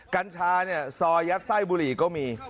กัญชาเนี่ยซอยยัดไส้บุหรี่ก็มี